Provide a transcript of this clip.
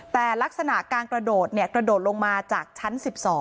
แต่ลักษณะการกระโดดกระโดดลงมาจากชั้น๑๒